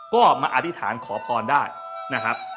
ก็มาอธิษฐานขอพรได้นะครับ